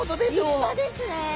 立派ですね。